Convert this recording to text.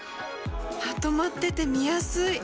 まとまってて見やすい！